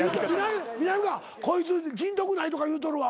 みなみかわこいつ人徳ないとか言うとるわ。